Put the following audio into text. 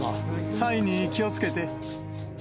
サイに気をつけて。